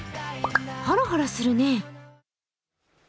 「ハラハラするね」